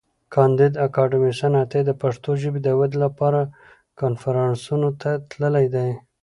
کانديد اکاډميسن عطایي د پښتو ژبي د ودي لپاره کنفرانسونو ته تللی دی.